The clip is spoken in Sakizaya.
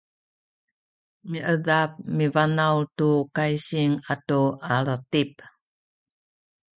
miedap mibanaw tu kaysing atu atip